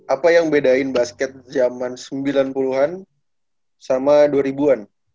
apa yang bedain basket zaman sembilan puluh an sama dua ribu an